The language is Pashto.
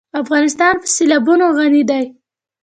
افغانستان په سیلابونه غني دی.